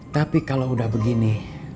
tapi kalau udah begini